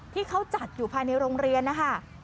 ที่เขาจัดอยู่ภายในโรงเรียนนะคะ